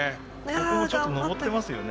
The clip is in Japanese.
ここもちょっと登ってますよね。